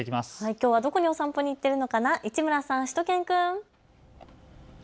きょうはどこにお散歩に行っているのかな市村さん、しゅと犬くん。